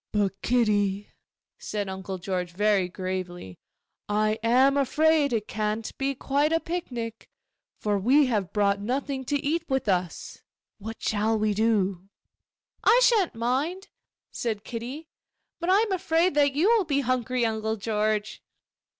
'But, Kitty,' said Uncle George very gravely, 'I am afraid it can't be quite a picnic, for we have brought nothing to eat with us. What shall we do?' 'I shan't mind,' said Kitty; 'but I am afraid that you will be hungry, Uncle George.